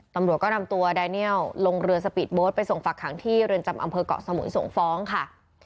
ตำรวจก็นำตัวไดเนียลลงเรือสปีดโบ๊ทไปส่งฝักขังที่เรือนจำอำเภอกเกาะสมุยส่งฟ้องค่ะ